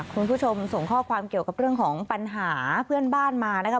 คุณผู้ชมส่งข้อความเกี่ยวกับเรื่องของปัญหาเพื่อนบ้านมานะครับ